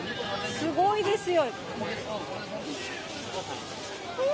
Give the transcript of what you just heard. すごいですよ。